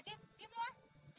diam dulu ah